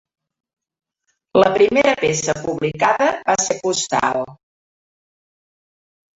La primera peça publicada va ser ‘Postal’.